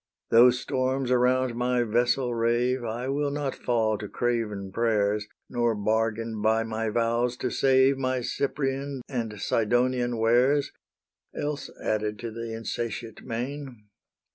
Though storms around my vessel rave, I will not fall to craven prayers, Nor bargain by my vows to save My Cyprian and Sidonian wares, Else added to the insatiate main.